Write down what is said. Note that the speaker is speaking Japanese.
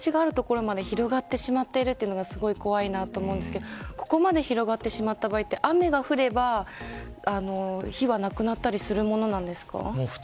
おうちがある所まで広がってしまっているのがすごい怖いなと思うんですけどここまで広がってしまった場合雨が降れば火は、なくなったりするものなんですか。